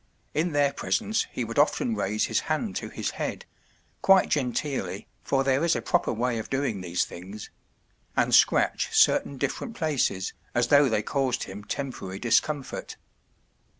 In their presence he would often raise his hand to his head—quite genteelly, for there is a proper way of doing these things—and scratch certain different places, as though they caused him temporary discomfort.